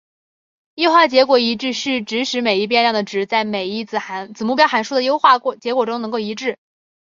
优化结果一致是指使每一变量的值在每一子目标函数的优化结果中能够一致。